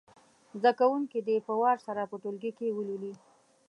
زده کوونکي دې په وار سره په ټولګي کې ولولي.